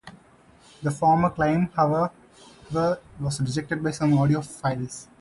The former claim however was rejected by some audiophiles.